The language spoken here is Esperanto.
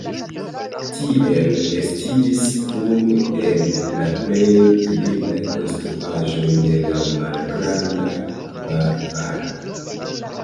Tiel estiĝis unu el la plej vidindaj konstruaĵoj de la Malgranda Kvartalo.